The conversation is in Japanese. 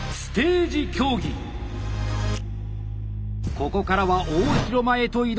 ここからは大広間へと移動！